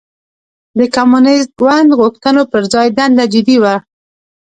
د کمونېست ګوند غوښتنو پر ځای دنده جدي وای.